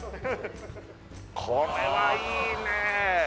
これはいいねえ